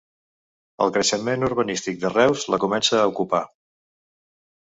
El creixement urbanístic de Reus la comença a ocupar.